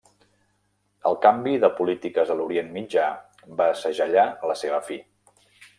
El canvi de polítiques a l'Orient Mitjà va segellar la seva fi.